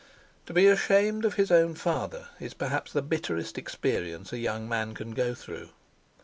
To be ashamed of his own father is perhaps the bitterest experience a young man can go through.